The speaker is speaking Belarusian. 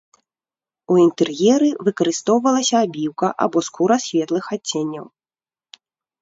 У інтэр'еры выкарыстоўвалася абіўка або скура светлых адценняў.